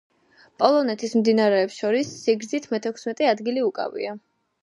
პოლონეთის მდინარეებს შორის სიგრძით მეთექვსმეტე ადგილი უკავია.